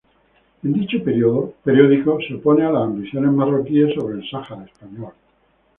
En dicho periódico, se opone a las ambiciones marroquíes sobre el Sahara español.